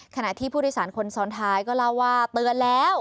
ขณะที่ผู้โดยสารคนซ้อนท้ายก็เล่าว่าเตือนแล้ว